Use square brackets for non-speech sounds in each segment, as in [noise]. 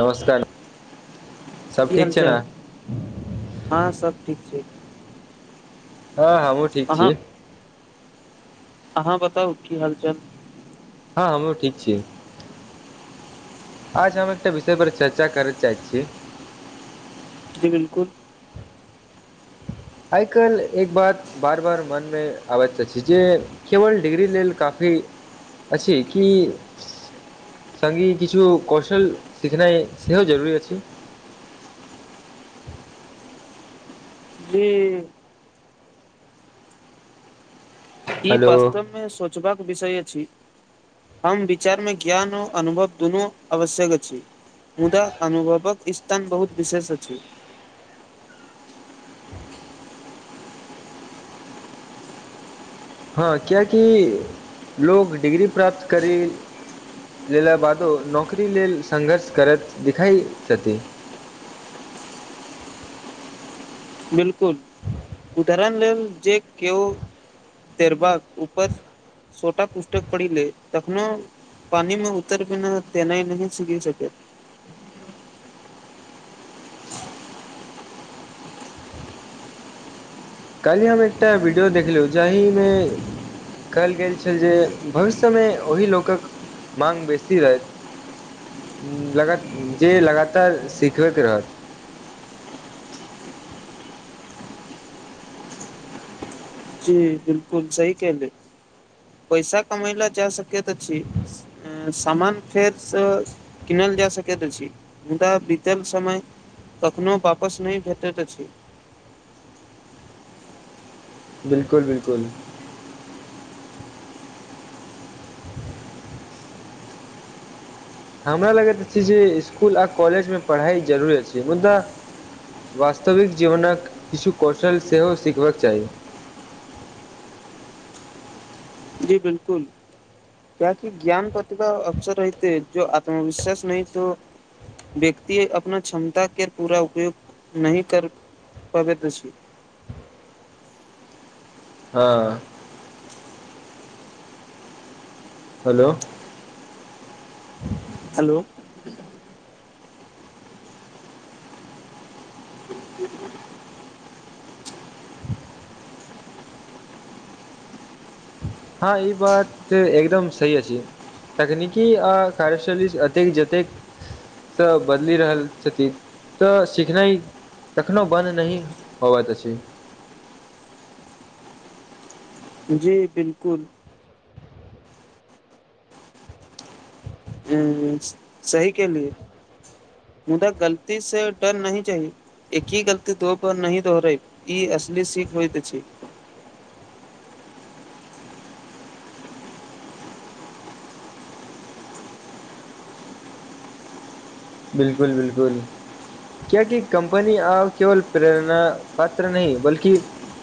नमस्कार। सब की ठीक हाल- छै ने चाल? हँ सब ठीक छै। हँ, हँ हमहू ठीक अहाँ छी। अहाँ बताउ की हाल- चाल? हँ, हमहू ठीक छी। आज हम एकटा विषय पर चर्चा कर चाहैत छी। जी, बिलकुल। आइ- कैल एक बात बार बार मनमे आबैत अछि जे केवल डिग्री लेल काफी अछि कि संगे किछु कौशल सिखनाइ सेहो जरूरी अछि? जी। ई हेलो वास्तव मे सोचबाक विषय ऐ हम विचार मे ज्ञानो- अनुभव दुनू आवश्यक अछि। मुदा अनुभवक स्तन बहुत विशेष अछि। हँ, कियेकि लोग डिग्री प्राप्त करिल लेला बादो नौकरी लेल संङ्घर्ष करैत दिखाइ छथि। बिलकुल, उदहरण लेल जे केओ तैरबाक ऊपस छोटा पुस्तक पढ़ि ले तखनो, पानि मे उतरि गेने तेनाई न सीखि सकत। काल्हि हम एकटा वीडियो देखलहुँ जाहिमे कहल गेल छल जे भविष्यमे ओहि लोकक माँग बेसी हेत लगा जे लगातार सिखैके रहत। जी, बिलकुल सही केले पैसा कमै ले जा सकैत अछि, अँ- सामान फेरसँ किनल जा सकैत अछि, मुदा बीतल समय कखनो वापस नै भेटैत अछि। बिलकुल- बिलकुल। हमरा लगैत अछि जे इसकुल आ कॉलेजमे पढ़ाइ जरूरे अछि, मुदा वास्तविक जीवनक किछु कौशल सेहो सिखबाक चाही। जी बिलकुल, कियेकि ज्ञान प्रतिभा अक्सर रहिते ऐछ जो आत्मविश्वास नहि त व्यक्ति अपना क्षमता केर पूरा उपयोग नहिं कर पबैत अछि। हँ। हेलो [unintelligible] हलो- हँ, ई बात ते एकदम सही अछि, तकनीकी आ कार्यशैली स-अतेक- जतेक स बदलि रहल छथि तऽ सिखनाइ कखनो बन्द नहिं होवत अछि। जी, बिलकुल। ह सही केलिए, मुदा गलती से डर नहिं चाही एक ही गलती दोहपर नहिं दोहरैब, ई असली सीख होइत ऐछि। बिलकुल- बिलकुल कियकि कं्पनी आ केवल प्रेरणा पात्र नहि बल्कि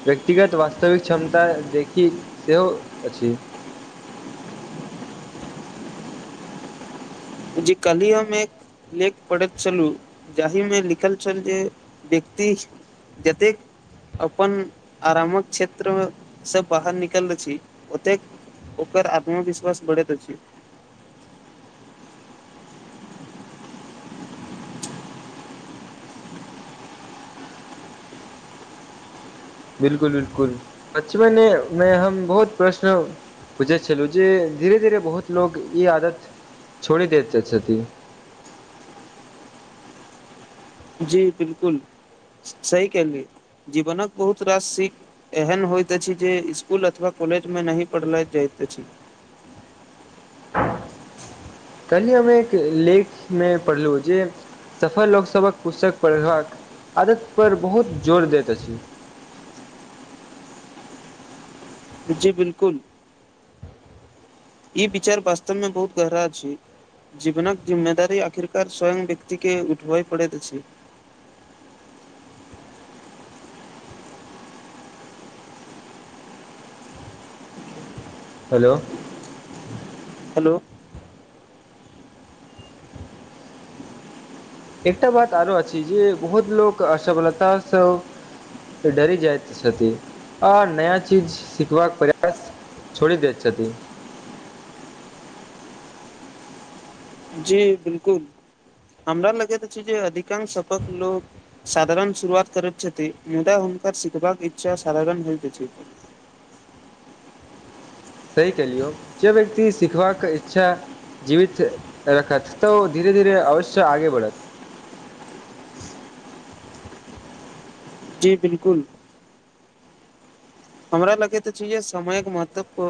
व्यक्तिगत वास्तविक क्षमता देखि सेहो अछि। [unintelligible] जे क्हि हम एक लेख पढ़ैत छलहुँ जाहि मे लिखल छल जे व्यक्ति जतेक अपन आरामक क्षेत्रसँ बाहर निकलल अछि ओतेक ओकर आत्मविश्वास बढ़ैत अछि। [unintelligible] बिलकुल- बिलकुल बचपने मे हम बहुत प्रश्न पूछैत छलहुँ जे धीरे धीरे बहुत लोग ई आदत छोड़ि दे छथि। [unintelligible] जी बिलकुल सही कलियै जीवनक बहुत रास सीख एहन होइत अछि जे इसकुल अथवा महाविद्यालय जमे नहि पढ़ल जाइत। [unintelligible] अछि [unintelligible] [unintelligible] कली हम एक लेखमे पढ़लहुँ जे सफल लोकसभक पुस्तक पढ़बाक आदत पर बहुत जोर दैत अछि। [unintelligible] जी बिलकुल, ई बिचार बास्तवमे बहुत गहरा छै। जीवनक जिम्मेदारी आखिरकार स्वयं व्यक्ति के उठबए पड़ैत छै। हेलो हेलो-उं एकटा बात आरो अछि जे बहुत लोक असफलतासँ डरी जाइत छथि आ नया चीज सिखबाक प्रयास छोड़ि दैत छथि। [unintelligible] जी बिलकुल हमरा लगैत छै जे अधिकांश सबक लोको साधारण शुरुआत करैत छथि मुदा हुनका सिखबाक इच्छा साधारण होइत। [unintelligible] सही कलियौ जे व्यक्ति सिखबाक इच्छा जीवित रखत तऽ ओ धीरे धीरे अवश्य आगे बढ़त। [unintelligible] जी बिलकुल। [unintelligible] हमरा लगैत छै जे समयक महत्व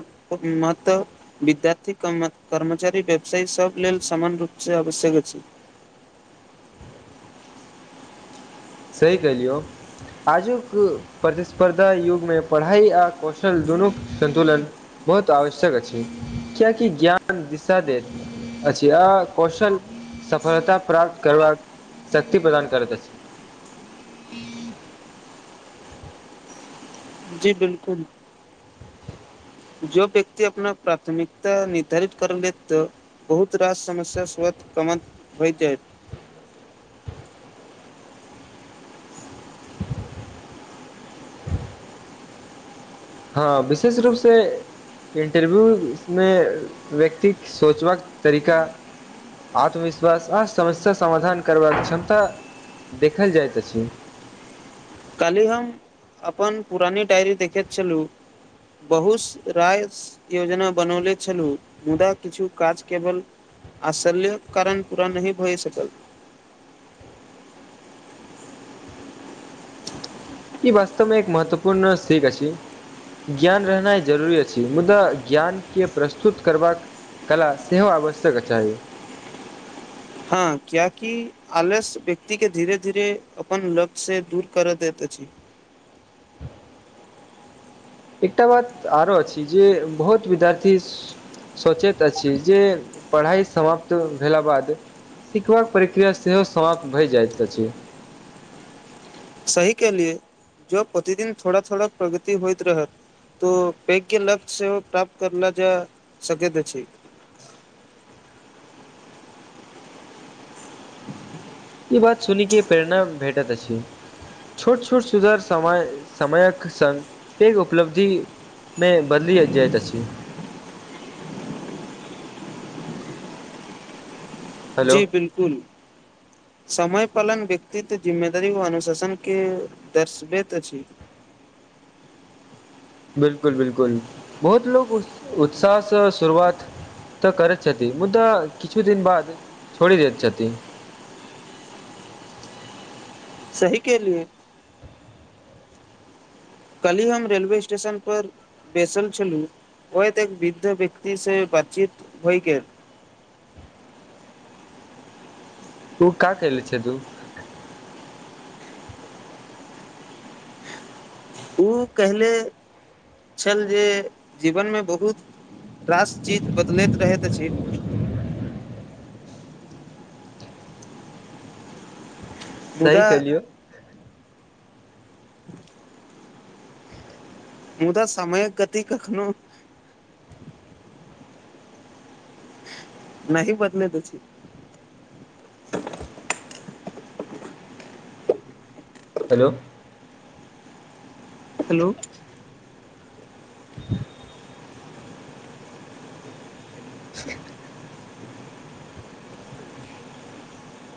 महत्व विद्यार्थी क कर्मचारी व्यवसायी सभ लेल समामान्य रूपसँ आवश्यक अछि। [unintelligible] सही कलियौ आजुक प्रतिस्पर्धा युग मे पढ़ाई आ कौशल दुनू संन्तुलन बहुत आवश्यक अछि कियाकि ज्ञान दिशा देैत अछि आ कौशल सफलता प्राप्त करबाक शक्ति प्रदान करैत अछि। ह। [unintelligible] जी बिलकुल [unintelligible] जो व्यक्ति अपना प्राथमिकता निर्धारित कर ले तऽ बहुत रास समस्या सत कमत होइ जाए। [unintelligible] हँ विशेष रूपसँ साक्षात्कार मे व्यक्तिक सोचबाक तरीका आत्मविश्वास आ समस्या समाधान करबाक क्षमता देखल जाइत अछि। काल्हि हम अपन पुरानी डायरी देखैत छलहुँ बहुस राय योजना बनौने छलहुँ मुदा किछु काज केवल आश्चल्य कारण पूरा नहि भए सकल। [unintelligible] ई वास्तवमे एक महत्वपूर्ण सख अछि ज्ञान रहनाइ जरूरी अछि मुदा ज्ञान के प्रस्तुत करबाक कला सेहो आवश्यक चाही [unintelligible] हँ क्यि आलस व्यक्ति के धीरे- धीरे अपन लब्ज से दूर कर देैत अछि। [unintelligible] एकटा बात आरो अछि जे बहुत विद्यार्थी सोचैत अछि जे पढ़ाई समाप्त भेला बाद सिखबाक प्रक्रिया सेहो समाप्त भए जाइत अछि। [unintelligible] सही के लि जो प्रतिदिन थोड़ा थोड़ा प्रगति होइत रहत तो पैघ्य ल्त से प्राप्त कर ल जा सक छै। [unintelligible] ई बात सुनी के प्रेरणा भेटैत अछि छोट -छोट सुधार समय -समयक सङग पैघ उपलब्धि मे बदलि जाइत अछि। [unintelligible] हेलो जी बिलकुल। [unintelligible] समय पालन व्यक्तित्व जिम्मेदारी व अनुशासन के दर्शबैत अछि। [unintelligible] बिलकुल- बिलकुल बहुत लोको उत्साहसँ शुरुआत तऽ करैत छथि मुदा किछु दिन बाद छोड़ि दैत छथि। [unintelligible] सही कहलिए। [unintelligible] काल्हि हम रेलवे स्टेशन पर बैसल छलहुँ ओत एक वृद्ध व्यक्तिसँ बातचीत होइ गेल। [unintelligible] ओ क कले छै तू। [unintelligible] ओ कहिले छल जे जीवनमे बहुत रास चीज बदलैत रहैत अछि। [unintelligible] सही मुदा केलियौ। [unintelligible] मुदा समयक गति कखनो। [unintelligible] नहि पत नहि त छीी। [unintelligible] हेलो। [unintelligible] हेलो। [unintelligible] [unintelligible] ‌। [unintelligible]